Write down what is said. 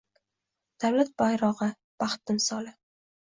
Davlat bayrog‘i – baxt timsoli